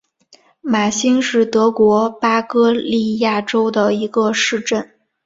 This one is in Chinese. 马兴是德国巴伐利亚州的一个市镇。